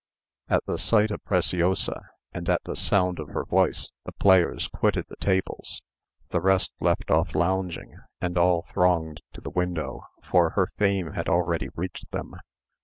At the sight of Preciosa, and at the sound of her voice, the players quitted the tables, the rest left off lounging, and all thronged to the window, for her fame had already reached them.